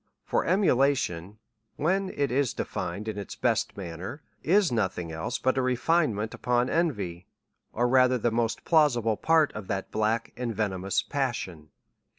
For emulation, when it is defined in the best man ner, is nothing else but a refinement upon envy, or rather the most plausible part of that black and ve nomous passion.